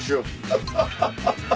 ハハハハハ。